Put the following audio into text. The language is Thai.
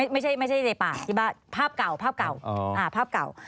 ไม่ใช่ในป่าที่บ้านภาพเก่าภาพเก่า